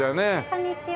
こんにちは。